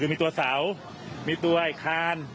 คือมีตัวเสามีตัวขาน